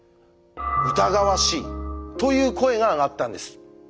「疑わしい」という声が上がったんです。